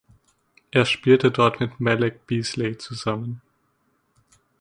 Er spielte dort mit Malik Beasley zusammen.